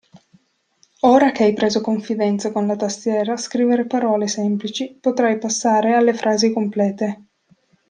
Ora che hai preso confidenza con la tastiera scrivere parole semplici, potrai passare alle frasi complete.